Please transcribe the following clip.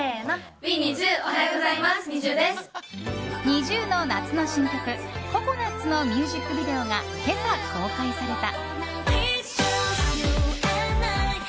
ＮｉｚｉＵの夏の新曲「ＣＯＣＯＮＵＴ」のミュージックビデオが今朝、公開された。